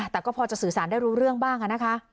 แต่ก็พอจะสื่อสารได้รู้เรื่องบ้างนะคะ